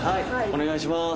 お願いします。